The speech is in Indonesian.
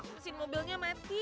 mesin mobilnya mati